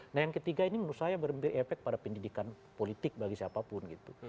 nah yang ketiga ini menurut saya berefek pada pendidikan politik bagi siapapun gitu